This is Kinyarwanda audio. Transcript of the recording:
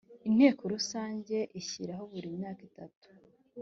Inteko Rusange ishyiraho buri myaka itatu